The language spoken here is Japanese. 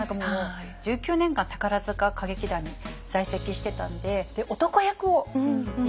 １９年間宝塚歌劇団に在籍してたんでで男役をやってたんですね。